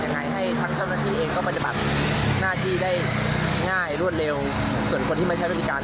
เราก็เลยจำคำพูดมาแล้วมาลองไปใช้ดูเนี่ยครับ